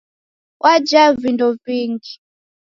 Wajaa vindo vingi!.